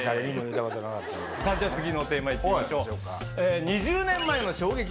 じゃあ次のテーマ行ってみましょう。